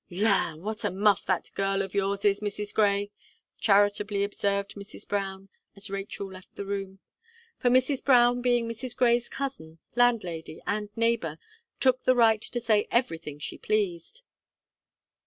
"La! what a muff that girl of yours is, Mrs. Gray!" charitably observed Mrs. Brown, as Rachel left the room. For Mrs. Brown being Mrs. Gray's cousin, landlady, and neighbour, took the right to say everything she pleased.